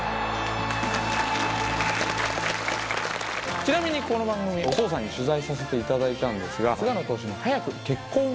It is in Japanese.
ちなみにこの番組お父さんに取材させていただいたんですが菅野投手に。